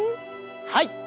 はい。